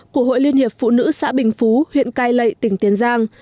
của hội liên hiệp phụ nữ xã bình phú huyện cai lệ tỉnh tiền giang